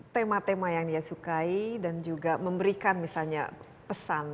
tema tema yang dia sukai dan juga memberikan misalnya pesan